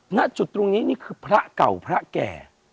ณจุดตรงนี้นี่คือพระเก่าพระแก่